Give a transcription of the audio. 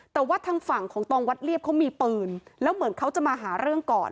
แต่ว่าทางฝั่งของตองวัดเรียบเขามีปืนแล้วเหมือนเขาจะมาหาเรื่องก่อน